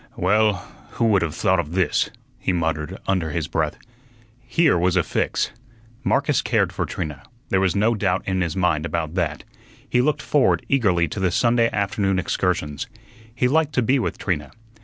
"Well, who would have thought of this?" he muttered under his breath. Here was a fix. Marcus cared for Trina. There was no doubt in his mind about that. He looked forward eagerly to the Sunday afternoon excursions. He liked to be with Trina.